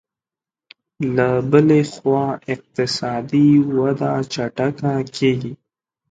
له بلې خوا اقتصادي وده چټکه کېږي